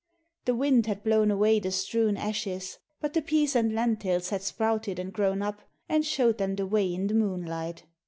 The wind had blown away the strewn ashes, but the peas and lentils had sprouted and grown up, and showed them the way in the moonlight.